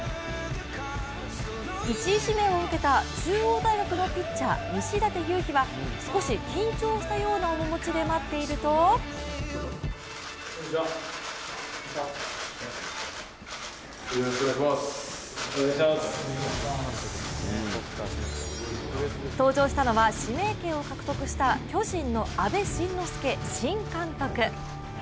１位指名を受けた中央大学のピッチャー西舘勇陽は少し緊張したような面持ちで待っていると登場したのは指名権を獲得した巨人の阿部慎之助新監督。